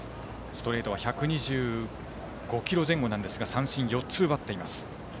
ストレートは１２５キロ前後ですが三振、４つ奪っています。